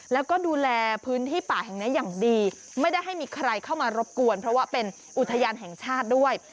แล้วก็ดูแลพื้นที่ป่าแห่งนี้อย่างดีไม่ได้ให้มีใครเข้ามารบกวนเพราะว่าเป็นอุทยานแห่งชาติด้วย